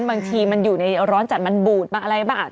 บางทีมันอยู่ในร้อนจัดมันบูดบ้างอะไรบ้าง